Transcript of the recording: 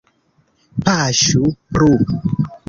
Paŝu plu!